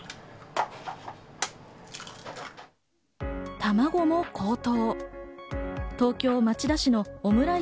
卵も高騰。